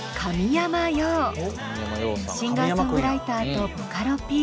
シンガーソングライターとボカロＰ。